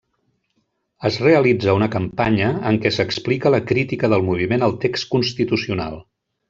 Es realitza una campanya en què s’explica la crítica del moviment al text Constitucional.